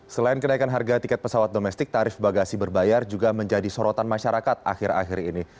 selain kenaikan harga tiket pesawat domestik tarif bagasi berbayar juga menjadi sorotan masyarakat akhir akhir ini